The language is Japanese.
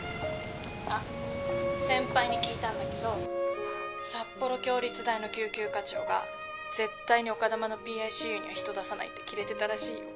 あっ先輩に聞いたんだけど札幌共立大の救急科長が絶対に丘珠のＰＩＣＵには人出さないってキレてたらしいよ。